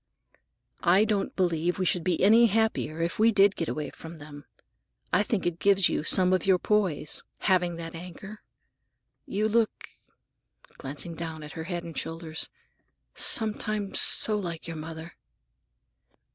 "I don't believe we should be any happier if we did get away from them. I think it gives you some of your poise, having that anchor. You look," glancing down at her head and shoulders, "sometimes so like your mother."